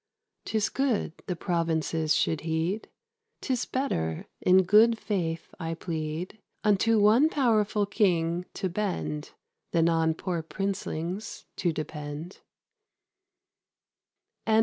'Tis good the provinces should heed: 'Tis better, in good faith I plead, Unto one powerful king to bend, Than on poor princelings to depend.